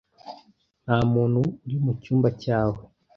Nta muntu uri mu cyumba cyawe.